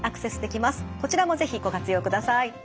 こちらも是非ご活用ください。